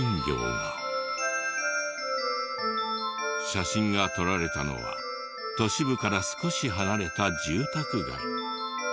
写真が撮られたのは都市部から少し離れた住宅街。